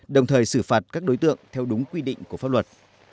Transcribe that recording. đồng thời xử phạt các đối tượng theo đúng quy định của pháp luật